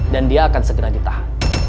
dan dia akan segera ditahan